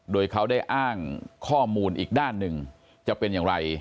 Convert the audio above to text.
โดยเขาได้อ้างข้อมูลอีกด้านหนึ่งจะเป็นอย่างไร